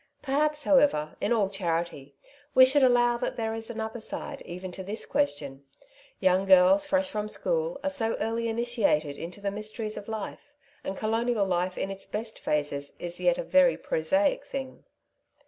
Perhaps, however, in all charity, we should allow that there is another side even to this question ; young girls fresh from school are so early initiated into the mysteries of life, and colonial life in its best phases is yet a very prosaic thing.